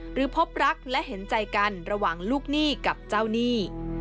พบรักและเห็นใจกันระหว่างลูกหนี้กับเจ้าหนี้